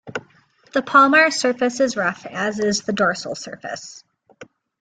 The palmar surface is rough, as is the dorsal surface.